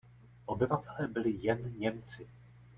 Obyvatelé byli jen Němci.